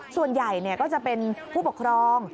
ส่วนใหญ่ก็จะเป็นผู้ปกครอง